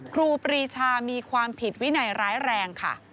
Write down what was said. ครูปรีชามีความผิดวินัยร้ายแรงค่ะ